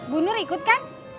bu nur ikut kan